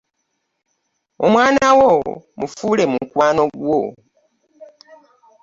Omwana wo mufule mukwano gwo.